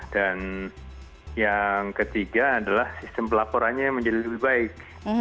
yang ketiga adalah sistem pelaporannya menjadi lebih baik